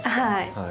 はい。